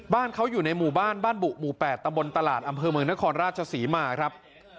บ้านเขาอยู่ในหมู่บ้านบ้านบุหมู่๘ตำบลตลาดอำเภอเมืองนครราชศรีมาครับ